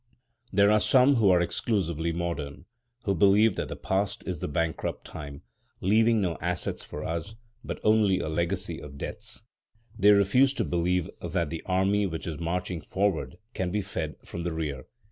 There are some who are exclusively modern, who believe that the past is the bankrupt time, leaving no assets for us, but only a legacy of debts. They refuse to believe that the army which is marching forward can be fed from the rear.